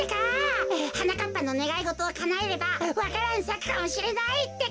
はなかっぱのねがいごとをかなえればわか蘭さくかもしれないってか。